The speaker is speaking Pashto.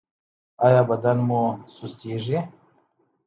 ایا بدن مو سستیږي؟